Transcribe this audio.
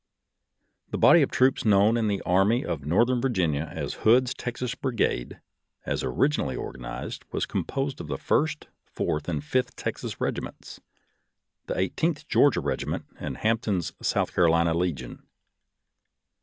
The body of troops known in the Army of Northern Virginia as Hood's Texas Brigade, as originally organized, was composed of the First, Fourth, and Fifth Texas regiments, the Eight eenth Georgia Regiment and Hampton's South Carolina Legion.